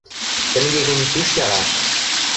– Тӹнге гӹнь пиш яраш.